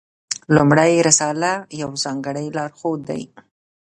لومړۍ رساله یو ځانګړی لارښود دی.